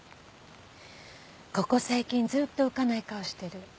ここ最近ずっと浮かない顔してる。